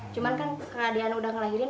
cuman kan keadaan udah ngelahirin